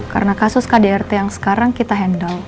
karena kasus kdrt yang sekarang kita handle